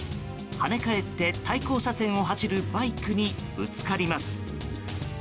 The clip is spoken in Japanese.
跳ね返って対向車線を走るバイクにぶつかります。